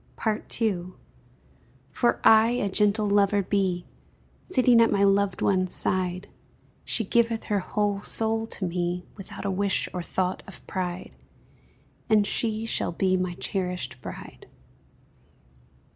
II. For I a gentle lover be, Sitting at my loved one's side; She giveth her whole soul to me Without a wish or thought of pride, And she shall be my cherished bride.